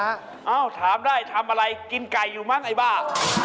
เอ้าถามได้ทำอะไรกินไก่อยู่มั้งไอ้บ้า